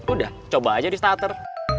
udah coba aja di starter